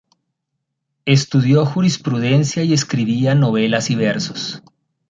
Estudió jurisprudencia y escribía novelas y versos.